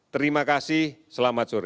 terima kasih selamat sore